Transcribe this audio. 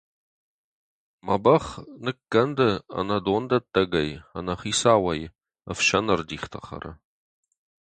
Мӕ бӕх ныккӕнды ӕнӕ дондӕттӕгӕй, ӕнӕ хицауӕй ӕфсӕн ӕрдихтӕ хӕры.